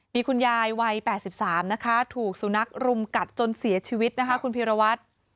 มีคุณยายวัย๘๓นะคะถูกสุนัขรุมกัดจนเสียชีวิตนะคะคุณพีรวัตร